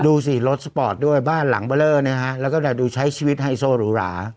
ดูสิรถสปอร์ตด้วยบ้านหลังเบอร์เลอร์นะฮะแล้วก็ดูใช้ชีวิตไฮโซหรูหรา